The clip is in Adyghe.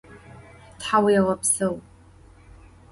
Thauêğepseu!